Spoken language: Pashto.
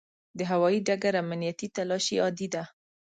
د هوایي ډګر امنیتي تلاشي عادي ده.